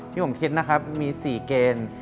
ที่ผมคิดมี๔เกณฑ์